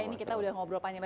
ini kita udah ngobrol panjang